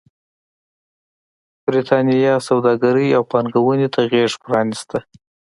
برېټانیا سوداګرۍ او پانګونې ته غېږ پرانېسته.